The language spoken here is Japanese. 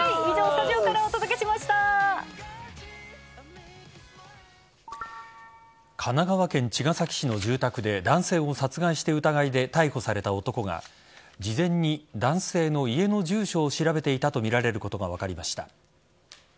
以上神奈川県茅ヶ崎市の住宅で男性を殺害した疑いで逮捕された男が事前に男性の家の住所を調べていたとみられることが分かりました。